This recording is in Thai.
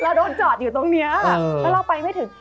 เราโดนจอดอยู่ตรงเนี้ยแล้วเราไปไม่ถึง